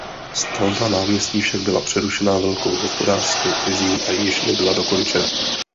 Stavba náměstí však byla přerušena velkou hospodářskou krizí a již nebyla dokončena.